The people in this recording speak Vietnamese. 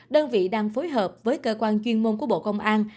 đơn vị đang phối hợp với cơ quan chuyên môn của bộ công an